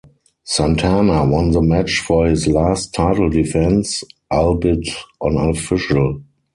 Santana won the match for his last title defense, albeit unofficial.